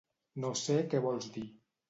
No sé què vols dir.